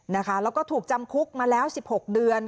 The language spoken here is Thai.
แล้วก็ถูกจำคุกมาแล้ว๑๖เดือน